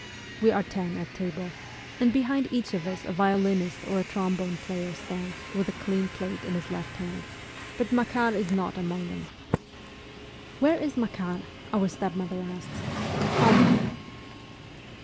We are ten at table, and behind each of us a violinist or a trombone player stands, with a clean plate in his left hand ; but Makar is not among them. ' Where is Makar ?' our stepmother asks. ' Call him in.'